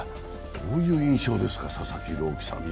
どういう印象ですか、佐々木朗希選手って。